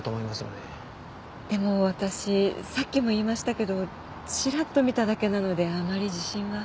でも私さっきも言いましたけどチラッと見ただけなのであまり自信は。